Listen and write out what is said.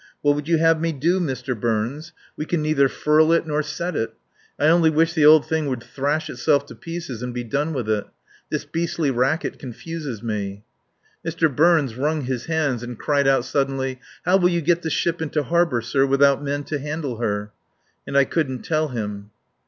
"What would you have me to do, Mr. Burns? We can neither furl it nor set it. I only wish the old thing would thrash itself to pieces and be done with it. That beastly racket confuses me." Mr. Burns wrung his hands, and cried out suddenly: "How will you get the ship into harbour, sir, without men to handle her?" And I couldn't tell him.